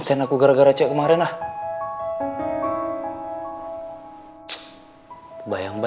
begitu juga dengan semua kecurigaan lo sama gue